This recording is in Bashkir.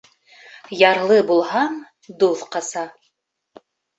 Ярлы булһаң, дуҫ ҡаса